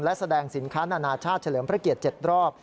และแสดงสินค้านานาชาติเฉลิมพระเกียรติ๗รอบ